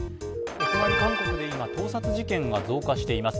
お隣・韓国で今、盗撮事件が増加しています。